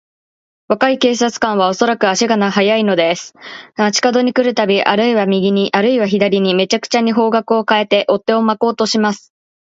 若い警官は、おそろしく足が早いのです。町かどに来るたび、あるいは右に、あるいは左に、めちゃくちゃに方角をかえて、追っ手をまこうとします。